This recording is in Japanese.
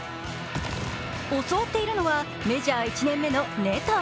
教わっているのは、メジャー１年目のネト。